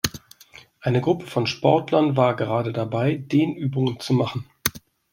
Eine Gruppe von Sportlern war gerade dabei, Dehnübungen zu machen.